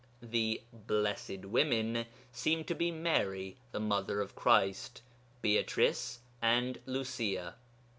The 'blessed women' seem to be Mary (the mother of Christ), Beatrice, and Lucia.